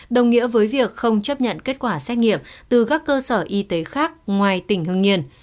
đồng nghĩa với việc không chấp nhận kết quả xét nghiệm từ các cơ sở y tế khác ngoài tỉnh hưng yên